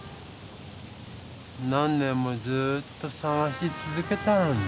何年もずっとさがしつづけたのにな。